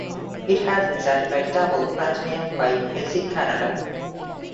It has been certified Double Platinum by Music Canada.